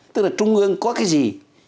tức là trung ương có cái gì